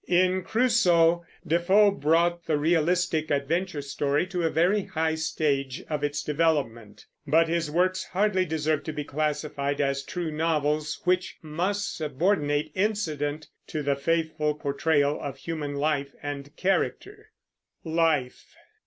In Crusoe, Defoe brought the realistic adventure story to a very high stage of its development; but his works hardly deserve, to be classed as true novels, which must subordinate incident to the faithful portrayal of human life and character. LIFE.